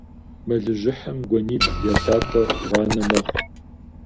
Мэлыжьыхьым гуэнибл я лъапэ гъуанэ мэхъу.